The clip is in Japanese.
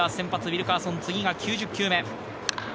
ウィルカーソン、次が９０球目。